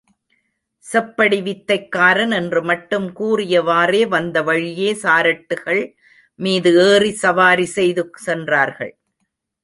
செப்படி வித்தைக் காரன் என்று மட்டும் கூறியவாறே வந்த வழியே சாரட்டுகள் மீது ஏறிச் சவாரி செய்து சென்றார்கள்.